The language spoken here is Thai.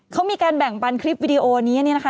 เขามีการแบ่งปันคลิปวิดีโอนี้เนี่ยนะคะ